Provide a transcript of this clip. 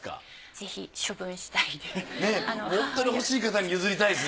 ぜひ処分したいです。